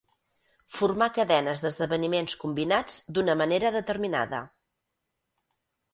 Formar cadenes d'esdeveniments combinats d'una manera determinada.